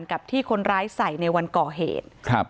กับที่คนร้ายใส่ในวันก่อเหตุครับ